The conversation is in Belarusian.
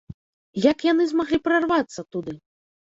Як яны змаглі прарвацца туды?